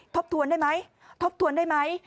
ทบทวนได้ไหมทบทวนได้ไหม